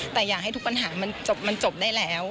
แต่อยากให้ทุกปัญหามันจบได้แล้ว